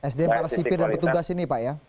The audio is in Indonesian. sdm para sipir dan petugas ini pak ya